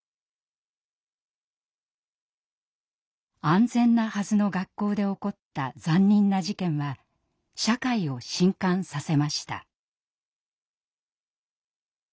安全なはずの学校で起こった残忍な事件は社会を震かんさせました。